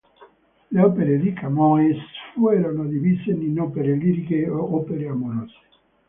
Le opere di Camões furono divise in opere liriche e opere amorose.